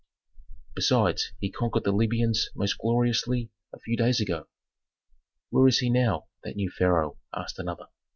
"Besides, he conquered the Libyans most gloriously a few days ago." "Where is he now, that new pharaoh?" asked another.